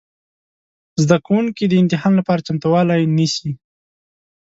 زده کوونکي د امتحان لپاره چمتووالی نیسي.